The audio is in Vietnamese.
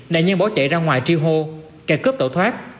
nạn nhân bỏ chạy ra ngoài tri hô kẻ cướp tổ thoát